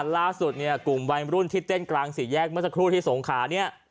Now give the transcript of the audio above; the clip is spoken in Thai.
ล่าสุดเนี่ยกลุ่มวัยรุ่นที่เต้นกลางสี่แยกเมื่อสักครู่ที่สงขาเนี่ย